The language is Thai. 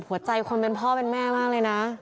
หัวใจคนเป็นพ่อเป็นแม่มากเลยนะ